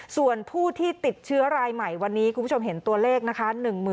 ส่วนผู้ที่ติดเชื้อรายใหม่วันนี้คุณผู้ชมเห็นตัวเลขนะคะ